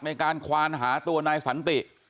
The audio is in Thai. ในการควานหาตัวนายสันติ